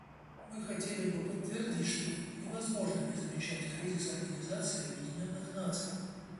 Мы хотели бы подтвердить, что невозможно не замечать кризис Организации Объединенных Наций.